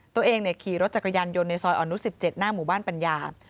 ขี่รถจักรยานยนต์ในซอยอนุ๑๗หน้าหมู่บ้านปัญญา